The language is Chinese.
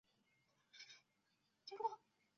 邓禹派遣使者告知光武帝。